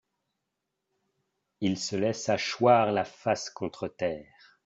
Il se laissa choir la face contre terre.